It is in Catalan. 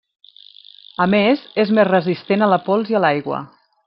A més és més resistent a la pols i a l’aigua.